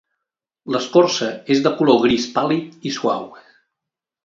L'escorça és de color gris pàl·lid i suau.